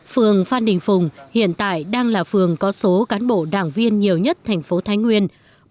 phường phan đình phùng hiện tại đang là phường có số cán bộ đảng viên nhiều nhất thành phố thái nguyên